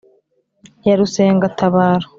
Ya Rusengatabaro